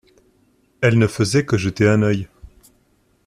Elle ne faisait que jeter un œil.